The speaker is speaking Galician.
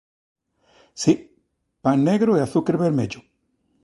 Si... Pan negro e azucre vermello